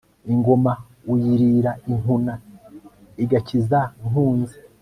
ingoma uyirira inkuna ,igakiza nkunzi